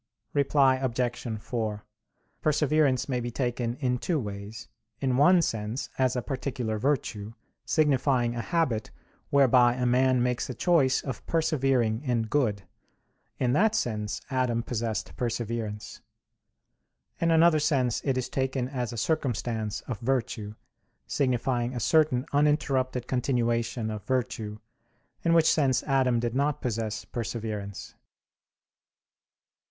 Reply Obj. 4: Perseverance may be taken in two ways: in one sense as a particular virtue, signifying a habit whereby a man makes a choice of persevering in good; in that sense Adam possessed perseverance. In another sense it is taken as a circumstance of virtue; signifying a certain uninterrupted continuation of virtue; in which sense Adam did not possess perseverance.